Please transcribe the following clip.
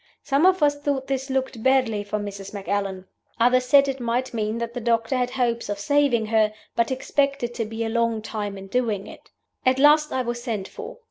Some of us thought this looked badly for Mrs. Macallan. Others said it might mean that the doctor had hopes of saving her, but expected to be a long time in doing it. "At last I was sent for.